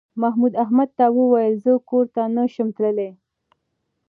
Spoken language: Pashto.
محمود احمد ته وویل زه کور ته نه شم تللی.